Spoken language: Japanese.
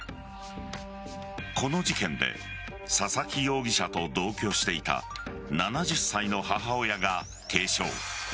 この事件で佐々木容疑者と同居していた７０歳の母親が軽傷。